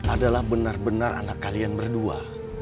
adalah benar benar anak kalian berdua